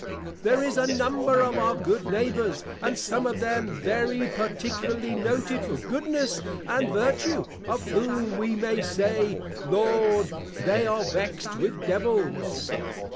There is a Number of our Good Neighbours, and some of them very particularly noted for Goodness and Vertue, of whom we may say, _Lord, They are vexed with Devils.